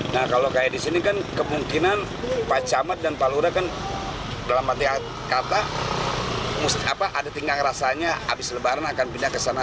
nah kalau kayak di sini kan kemungkinan pak camat dan pak lura kan dalam arti kata ada tingkang rasanya habis lebaran akan pindah ke sana